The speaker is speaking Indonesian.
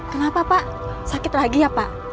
kenapa pak sakit lagi ya pak